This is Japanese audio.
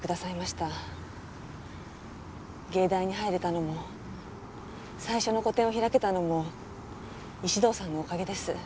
芸大に入れたのも最初の個展を開けたのも石堂さんのおかげです。